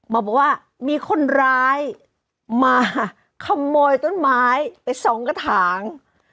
บอกว่ามีคนร้ายมาขโมยต้นไม้ไปสองกระถาง